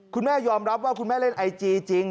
คุณแม่ยอมรับว่าคุณแม่เล่นไอจีจริง